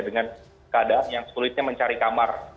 dengan keadaan yang sulitnya mencari kamar